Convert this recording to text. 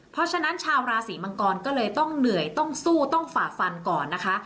เพราะฉะนั้นชาวราศีมังกรก็เลยต้องเหนื่อยต้องสู้ต้องฝ่าฟันก่อนนะคะ